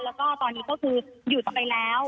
แล้วก็ตอนนี้ก็คือหยุดกันไปแล้ว